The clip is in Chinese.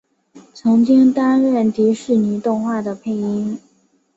曾经担任迪士尼动画的配音。